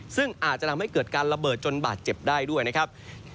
ซึ่งอาจจะทำให้เกิดการระเบิดจนบาดเจ็บได้ด้วยนะครับ